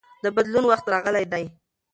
د بدلون وخت راغلی دی.